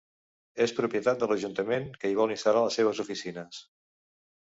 És propietat de l'ajuntament que hi vol instal·lar les seves oficines.